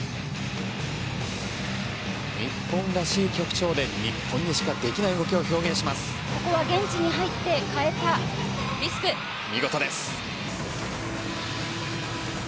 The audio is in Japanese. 日本らしい曲調で日本でしかできない動きをここは現地に入って見事です。